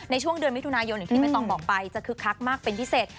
ในช่วงเดือนมิถุนายนอย่างที่ไม่ต้องบอกไปจะคึกคักมากเป็นพิเศษ